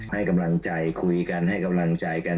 ให้กำลังใจคุยกันให้กำลังใจกัน